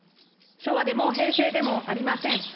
昭和でも平成でもありません。